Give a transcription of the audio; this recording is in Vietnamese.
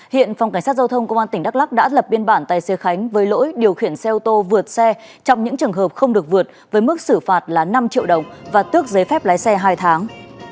hiện phòng cảnh sát giao thông công an tỉnh đắk lắc đã lập biên bản tài xế khánh với lỗi điều khiển xe ô tô vượt xe trong những trường hợp không được vượt với mức xử phạt là năm triệu đồng và tước giấy phép lái xe hai tháng